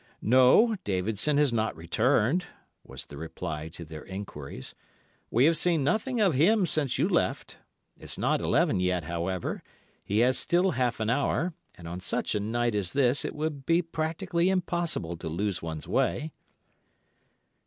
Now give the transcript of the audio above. "'No, Davidson has not returned,' was the reply to their enquiries. 'We have seen nothing of him since you left. It's not eleven yet, however; he has still half an hour, and on such a night as this it would be practically impossible to lose one's way.